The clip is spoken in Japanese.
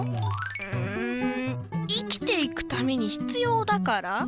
うん生きていくためにひつようだから？